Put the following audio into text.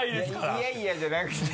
「いやいや」じゃなくて。